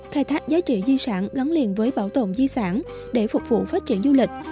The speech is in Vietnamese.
khai thác giá trị di sản gắn liền với bảo tồn di sản để phục vụ phát triển du lịch